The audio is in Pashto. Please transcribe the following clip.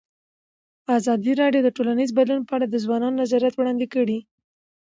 ازادي راډیو د ټولنیز بدلون په اړه د ځوانانو نظریات وړاندې کړي.